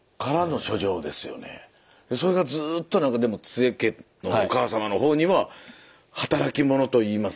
それがずーっとなんかでも津江家のお母様のほうには働き者と言いますか。